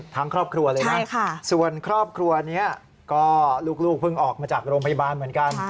ทั้งครอบครัวเลยนะส่วนครอบครัวนี้ก็ลูกเพิ่งออกมาจากโรงพยาบาลเหมือนกัน